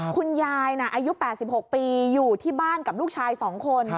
คุณยายอายุ๘๖ปีอยู่ที่บ้านกับลูกชาย๒คน